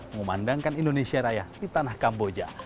mengumandangkan indonesia raya di tanah kamboja